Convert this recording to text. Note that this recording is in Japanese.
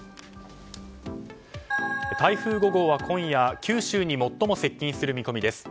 台風５号は今夜九州に最も接近する見込みです。